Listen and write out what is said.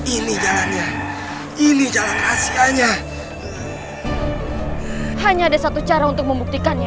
ini jalannya ini jalan asianya hanya ada satu cara untuk membuktikannya